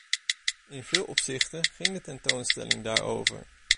In veel opzichten ging de tentoonstelling daarover.